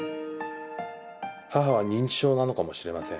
母は認知症なのかもしれません。